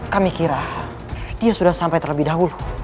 kami kira dia sudah sampai terlebih dahulu